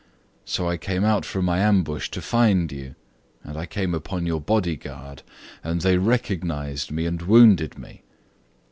So I came out from my ambush to find you, and I came upon your bodyguard, and they recognized me, and wounded me.